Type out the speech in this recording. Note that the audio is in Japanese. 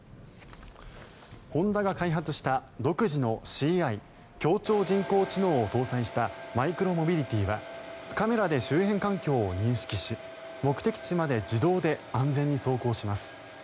ホンダが開発した独自のＣＩ・協調人工知能を搭載したマイクロモビリティはカメラで周辺環境を認識し目的地まで自動で安全に走行します。